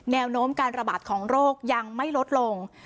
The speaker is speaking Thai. แนวโน้มการระบาดของโรคยังไม่ลดลง